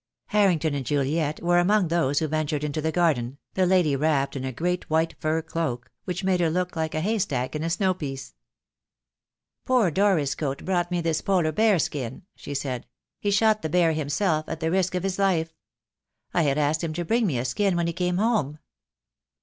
Harrington and Juliet were among those who ventured into the garden, the lady wrapped in a great white fur cloak, which made her look like a hay stack in a snow piece. "Poor Doriscourt brought me this polar bear skin," she said. "He shot the bear himself, at the risk of his life. I had asked him to bring me a skin when he came home."